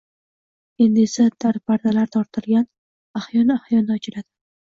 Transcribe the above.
Endi esa darpardalar tortilgan, ahyon-ahyonda ochiladi